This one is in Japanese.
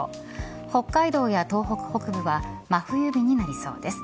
北海道や東北北部は真冬日になりそうです。